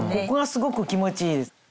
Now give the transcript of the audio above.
ここがすごく気持ちいいです。